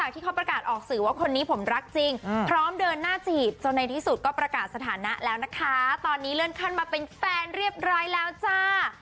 ตอนนี้เลินเข้ามาเป็นแฟนเรียบร้อยแล้วจ้า